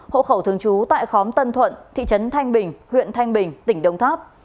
hộ khẩu thường chú tại khóm tân thuận thị trấn thanh bình huyện thanh bình tỉnh đồng tháp